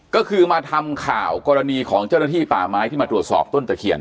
ก็คือมาทำข่าวกรณีของเจ้าหน้าที่ป่าไม้ที่มาตรวจสอบต้นตะเคียน